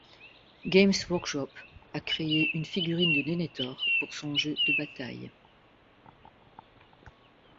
Games Workshop a créé une figurine de Denethor pour son jeu de bataille.